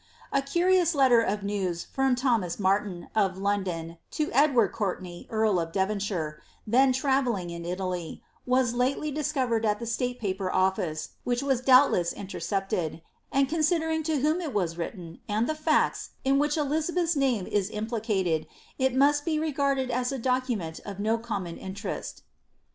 A curious letter of news from Thomas Martin of London, to Edward Courtcnay, earl of Devonshire, then travelling in Italy, was lately discovered at the State Paper Office, which was doubt less intercepted ; and considering to whom it was written, and the farts, in which Elizabeth's name is implicate<I, it must be regarded as a docu ment of no common interest.